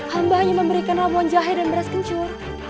hamba hanya memberikan ramuan jahe dan beras kencur